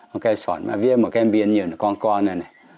ông cây xoạn viết một cái miền nhìn con con này này